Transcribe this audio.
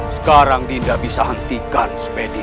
sekarang dinda bisa hentikan spedi